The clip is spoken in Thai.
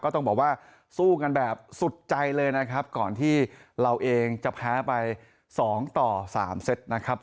ต้องบอกว่าสู้กันแบบสุดใจเลยนะครับก่อนที่เราเองจะแพ้ไป๒ต่อ๓เซตนะครับ